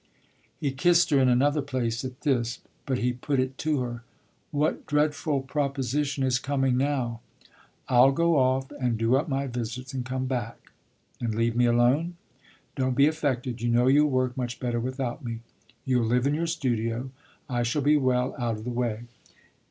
He kissed her in another place at this; but he put it to her; "What dreadful proposition is coming now?" "I'll go off and do up my visits and come back." "And leave me alone?" "Don't be affected! You know you'll work much better without me. You'll live in your studio I shall be well out of the way."